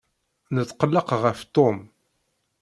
Netqelleq ɣef Tom.